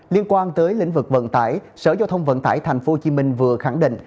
liên quan tới lĩnh vực vận tải sở giao thông vận tải tp hcm vừa khẳng định